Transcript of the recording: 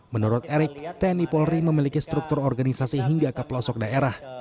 menurut erik tni polri memiliki struktur organisasi hingga ke pelosok daerah